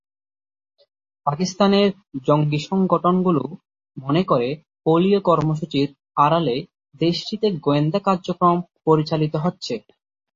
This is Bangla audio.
পাকিস্তানের জঙ্গি সংগঠনগুলো মনে করে, পোলিও কর্মসূচির আড়ালে দেশটিতে গোয়েন্দা কার্যক্রম পরিচালিত হচ্ছে।